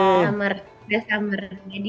di summer jadi